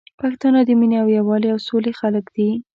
پښتانه د مينې او یوالي او سولي خلګ دي